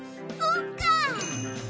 そっか！